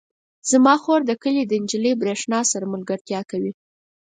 زما خور د کلي د نجلۍ برښنا سره ملګرتیا کوي.